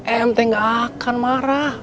em teh nggak akan marah